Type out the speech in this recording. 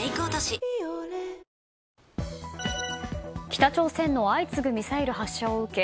北朝鮮の相次ぐミサイル発射を受け